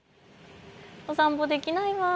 お散歩できないワン。